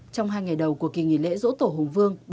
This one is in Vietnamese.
trong hai ngày đầu của kỳ nghỉ lễ dỗ tổ hùng vương